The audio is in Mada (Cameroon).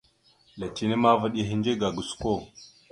Letine ma, vaɗ ya ehədze ga gosko.